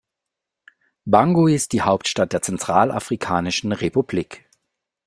Bangui ist die Hauptstadt der Zentralafrikanischen Republik.